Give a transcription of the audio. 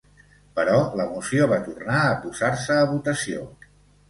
Però la moció va tornar a posar-se a votació.